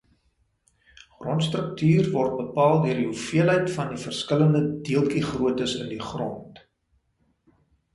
Grondstruktuur word bepaal deur die hoeveelheid van die verskillende deeltjiegroottes in die grond.